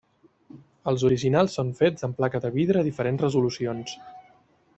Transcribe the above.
Els originals són fets amb placa de vidre a diferents resolucions.